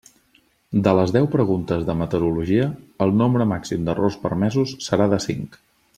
De les deu preguntes de meteorologia, el nombre màxim d'errors permesos serà de cinc.